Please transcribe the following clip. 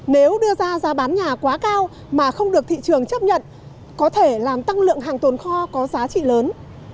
nếu đưa ra giá bán nhà quá cao mà không được thị trường chấp nhận có thể làm tăng lượng hàng tồn kho có giá trị lớn